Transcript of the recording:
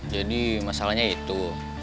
jadi masalahnya itu